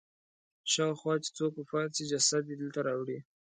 شاوخوا چې څوک وفات شي جسد یې دلته راوړي.